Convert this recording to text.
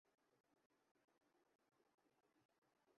এই বাঘের আকার মাঝারি।